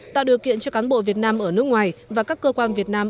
tạo điều kiện cho cán bộ việt nam ở nước ngoài và các cơ quan việt nam